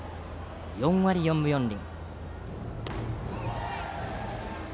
４割４分４厘。